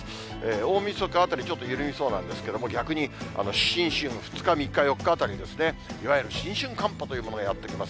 大みそかあたり、ちょっと緩みそうなんですけど、逆に新春、２日、３日、４日あたりですね、いわゆる新春寒波というものがやって来ます。